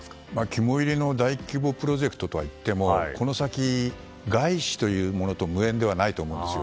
肝煎りの大規模プロジェクトとはいってもこの先、外資というものと無縁ではないと思うんですよ。